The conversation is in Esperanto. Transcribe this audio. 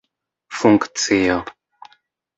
funkcio